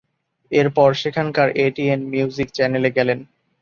এরপর সেখানকার "ATN music" চ্যানেলে গেলেন।